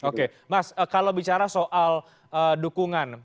oke mas kalau bicara soal dukungan